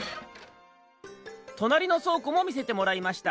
となりのそうこもみせてもらいました。